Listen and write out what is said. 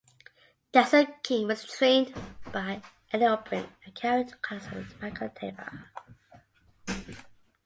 Desert King was trained by Aidan O'Brien, and carried the colours of Michael Tabor.